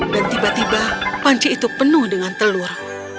dan tiba tiba panci itu penuh dengan telur